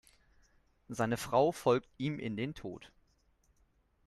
Seine Frau folgt ihm in den Tod.